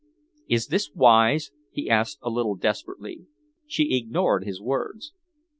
"Is this wise?" he asked a little desperately. She ignored his words.